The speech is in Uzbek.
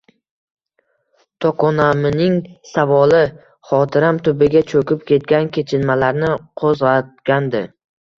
Tokonamining savoli xotiram tubiga cho`kib ketgan kechinmalarni qo`zg`atgandi